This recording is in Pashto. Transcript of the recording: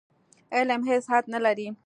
علم هېڅ حد نه لري.